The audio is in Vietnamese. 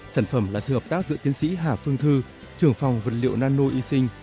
sản phẩm là sự hợp tác giữa tiến sĩ hà phương thư trưởng phòng vật liệu nano y sinh